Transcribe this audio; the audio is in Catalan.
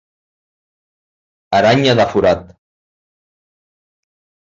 Aranya de forat.